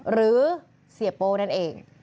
หรือเสียโป้นั่นเอง